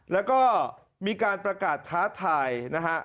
แล้วก็มีการประกาศท้าทายนะฮะ